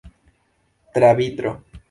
Tra vitro.